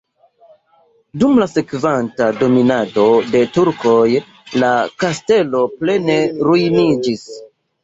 Dum la sekvanta dominado de turkoj la kastelo plene ruiniĝis.